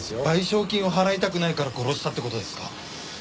賠償金を払いたくないから殺したって事ですか？